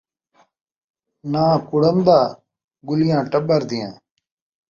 ناں کُڑم دا ، ڳُلیاں ٹٻر دیاں